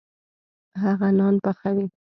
هغه نان پخوي.